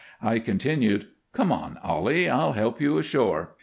I continued, "Come on, Ollie; I'll help you ashore."